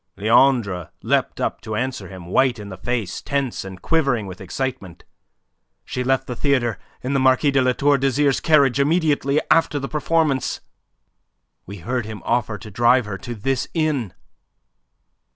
Leandre leapt up to answer him, white in the face, tense and quivering with excitement. "She left the theatre in the Marquis de La Tour d'Azyr's carriage immediately after the performance. We heard him offer to drive her to this inn."